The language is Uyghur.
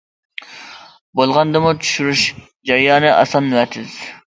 بولغاندىمۇ چۈشۈرۈش جەريانى ئاسان ۋە تىز.